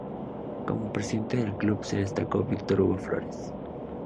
Como Presidente del Club se destacó Víctor Hugo Flores.